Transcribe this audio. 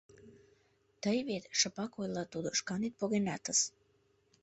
— Тый вет, — шыпак ойла тудо, — шканет погенатыс.